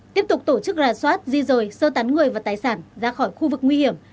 tiếp tục tổ chức rà soát di rời sơ tán người và tài sản ra khỏi khu vực nguy hiểm